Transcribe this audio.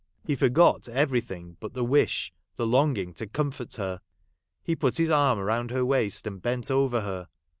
He forgot everything but the wish, the long ing to comfort her. He put his arm round her waist, and bent over her.